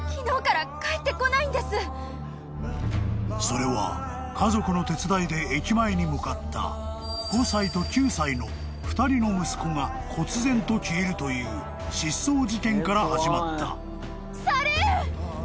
［それは家族の手伝いで駅前に向かった５歳と９歳の２人の息子がこつぜんと消えるという失踪事件から始まった］